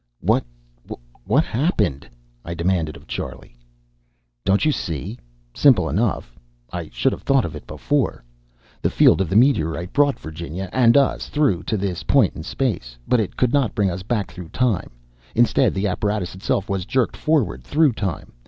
"What what happened?" I demanded of Charlie. "Don't you see? Simple enough. I should have thought of it before. The field of the meteorite brought Virginia and us through to this point in space. But it could not bring us back through time; instead, the apparatus itself was jerked forward through time.